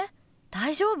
大丈夫？